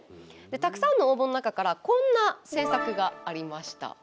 たくさんの応募の中からこんな政策がありました。